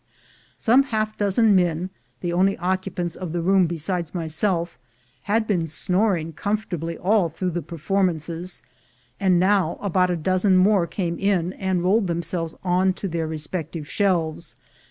Some half dozen men, the only occupants of the room besides myself, had been snoring comfortably all through the performances, and now about a dozen more came in and rolled themselves on to their re spective shelves.